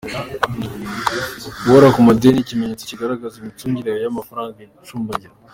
Guhora ku madeni ni ikimenyetso kigaragaza ko imicungire yawe y’amafaranga icumbagira.